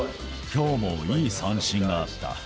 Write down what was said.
きょうもいい三振があった。